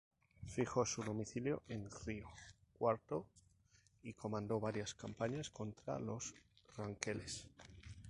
Fijó su domicilio en Río Cuarto y comandó varias campañas contra los ranqueles.